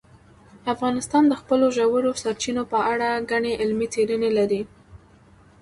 افغانستان د خپلو ژورو سرچینو په اړه ګڼې علمي څېړنې لري.